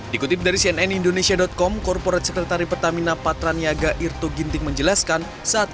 dikutip dari cnn indonesia com korporat sekretari pertamina patraniaga irto ginting menjelaskan saat